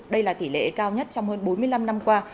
đây là tỷ lệ cao nhất trong hơn bốn mươi năm năm qua